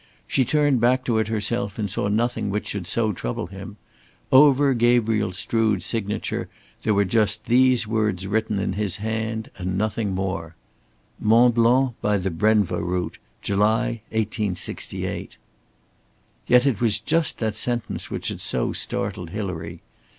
She turned back to it herself and saw nothing which should so trouble him. Over Gabriel Strood's signature there were just these words written in his hand and nothing more: "Mont Blanc by the Brenva route. July, 1868." Yet it was just that sentence which had so startled Hilary.